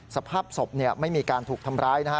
สภาพศพไม่มีการถูกทำร้ายนะฮะ